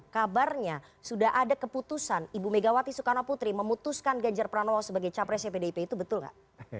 kabarnya sudah ada keputusan ibu megawati soekarno putri memutuskan ganjar pranowo sebagai capresnya pdip itu betul nggak